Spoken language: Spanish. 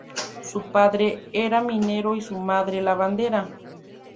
Su padre era minero y su madre, lavandera.